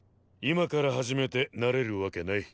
今から始めてなれるわけない。